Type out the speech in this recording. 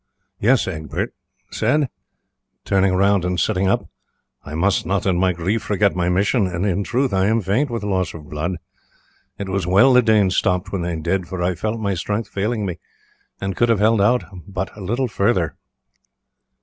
"Yes," Egbert said, turning round and sitting up, "I must not in my grief forget my mission, and in truth I am faint with loss of blood. It was well the Danes stopped when they did, for I felt my strength failing me, and could have held out but little further.